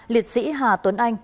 ba liệt sĩ hà tuấn anh